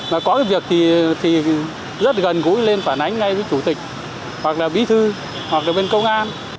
mà có cái việc thì rất gần gũi lên phản ánh ngay với chủ tịch hoặc là bí thư hoặc là bên công an